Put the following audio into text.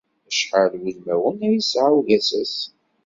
Acḥal n wudmawen ay yesɛa ugasas?